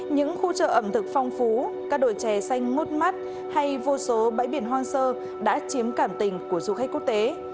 những khu chợ ẩm thực phong phú các đồi chè xanh ngốt mắt hay vô số bãi biển hoang sơ đã chiếm cảm tình của du khách quốc tế